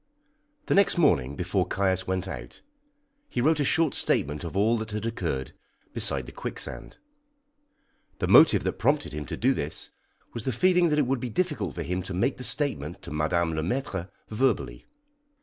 The next morning, before Caius went out, he wrote a short statement of all that had occurred beside the quicksand. The motive that prompted him to do this was the feeling that it would be difficult for him to make the statement to Madame Le Maître verbally.